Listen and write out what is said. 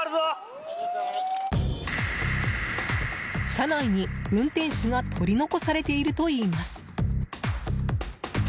車内に運転手が取り残されているといいます。